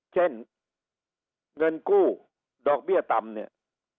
เช่นเงินกู้ดอกเบี้ยต่ำเนี่ย